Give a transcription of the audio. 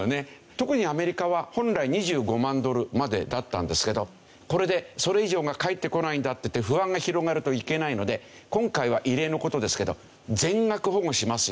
特にアメリカは本来２５万ドルまでだったんですけどこれでそれ以上が返ってこないんだって不安が広がるといけないので今回は異例の事ですけど全額保護しますよと。